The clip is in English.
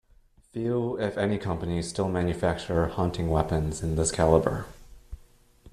Few if any companies still manufacture hunting weapons in this caliber.